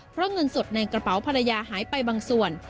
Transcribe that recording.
เพราะเงินสดในกระเป๋าภรรยาหายไปบางส่วน